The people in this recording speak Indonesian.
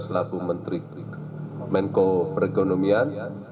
selaku menteri menko perekonomian